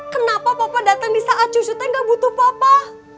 kenapa papa datang saat cucu tak butuh papa